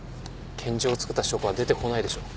拳銃を作った証拠は出てこないでしょう。